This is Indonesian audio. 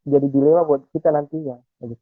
jadi dilema buat kita nanti ya